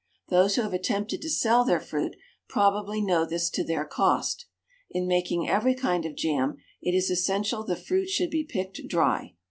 Those who have attempted to sell their fruit probably know this to their cost. In making every kind of jam it is essential the fruit should be picked dry.